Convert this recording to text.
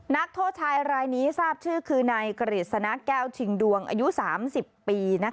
นักโทษชายรายนี้ทราบชื่อคือนายกฤษณะแก้วชิงดวงอายุ๓๐ปี